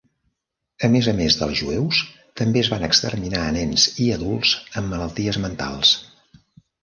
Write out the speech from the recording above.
A més a més dels jueus, també es va exterminar a nens i adults amb malalties mentals.